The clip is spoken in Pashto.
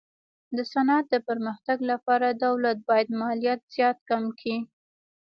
د صنعت د پرمختګ لپاره دولت باید مالیات زیات کم کي.